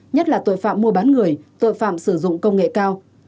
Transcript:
nhất là tội phạm mua bán người tội phạm sử dụng công nghệ cao